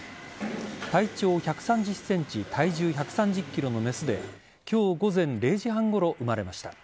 体長１３０ｃｍ体重１３０ｋｇのメスで今日午前０時半ごろ生まれました。